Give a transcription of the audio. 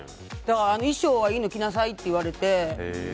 衣装はいいの着なさいって言われて。